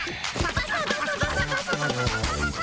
バサバサバサバサ。